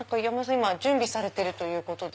今準備されてるということで。